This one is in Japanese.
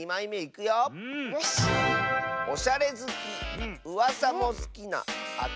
「おしゃれずきうわさもすきなあたまやさん」。